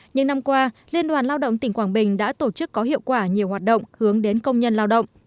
những năm qua liên đoàn lao động tỉnh quảng bình đã tổ chức có hiệu quả nhiều hoạt động hướng đến công nhân lao động